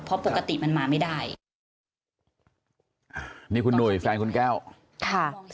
เพราะปกติมันมาไม่ได้นี่คุณหนุ่ยแฟนคุณแก้วค่ะ